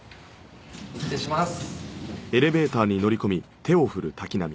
失礼します。